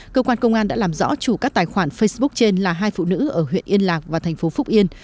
cơ quan công an đã làm rõ chủ các tài khoản facebook trên là hai phụ nữ ở huyện yên lạc và thành phố phúc yên